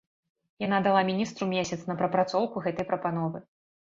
Яна дала міністру месяц на прапрацоўку гэтай прапановы.